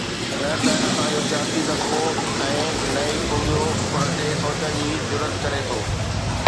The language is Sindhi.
نه ته اسان جو سياسي طبقو ۽ نه ئي ڪو ٻيو ان تي سوچڻ جي جرئت ڪري ٿو.